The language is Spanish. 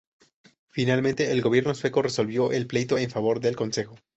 Finalmente el gobierno sueco resolvió el pleito en favor del consejo.